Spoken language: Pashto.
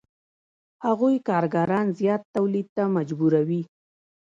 هغوی کارګران زیات تولید ته مجبوروي